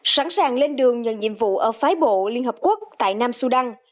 sẵn sàng lên đường nhận nhiệm vụ ở phái bộ liên hợp quốc tại nam sudan